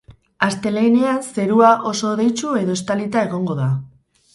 Astelehenean, zerua oso hodeitsu edo estalita egongo da.